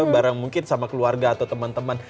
bareng mungkin sama keluarga atau teman teman